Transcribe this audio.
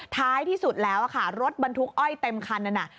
ท้ายที่สุดแล้วค่ะรถบรรทุกอ้อยเต็มคันนั้นน่ะ